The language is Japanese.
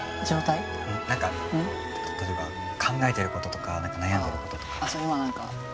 何か例えば考えてることとか何か悩んでることとか。